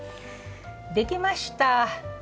できました！